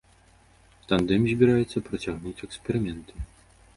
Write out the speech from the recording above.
Тандэм збіраецца працягнуць эксперыменты.